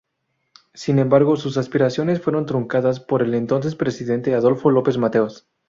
Sin embargo, sus aspiraciones fueron truncadas por el entonces presidente Adolfo López Mateos.